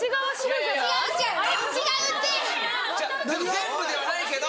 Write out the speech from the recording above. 全部ではないけど。